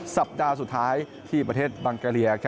สัปดาห์สุดท้ายที่ประเทศบังกะเลีย